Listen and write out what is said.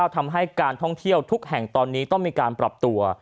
ทำให้การท่องเที่ยวทุกแห่งตอนนี้ต้องมีการปรับตัว